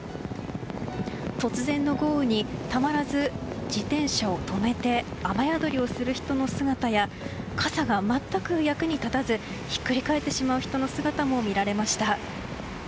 突然の豪雨にたまらず自転車を止めて雨宿りをする人の姿や傘が全く役に立たずひっくり返ってしまう人の姿も見られました。